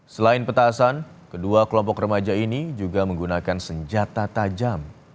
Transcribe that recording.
selain petasan kedua kelompok remaja ini juga menggunakan senjata tajam